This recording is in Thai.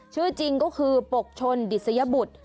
ชื่อจริงก็คือปกชนดิสยบุตร